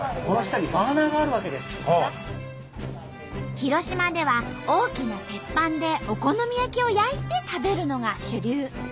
広島では大きな鉄板でお好み焼きを焼いて食べるのが主流。